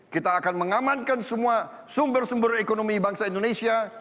kita akan mengamankan semua sumber sumber ekonomi bangsa indonesia